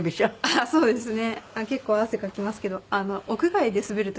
あっそうですか。